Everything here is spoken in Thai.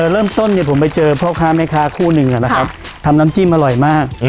เริ่มต้นผมไปเจอพ่อค้าแม่ค้าคู่หนึ่งนะครับทำน้ำจิ้มอร่อยมาก